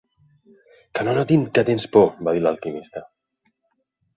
"Que no notin que tens por", va dir l'Alquimista.